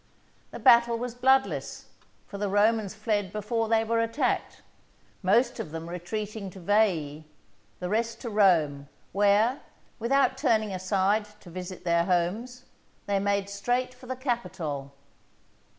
The battle was bloodless for the Romans fled before they were attacked; most of them retreating to Veii, the rest to Rome, where, without turning aside to visit their homes, they made straight for the Capitol.